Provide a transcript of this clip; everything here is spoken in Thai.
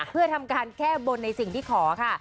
เพื่อทำการแก้บนในสิ่งที่ขอค่ะ